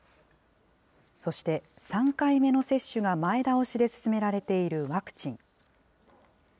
そして３回目の接種が前倒しで進められているワクチン。